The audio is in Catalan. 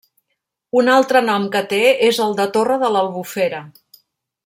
Un altre nom que té és el de Torre de l'Albufera.